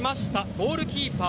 ゴールキーパー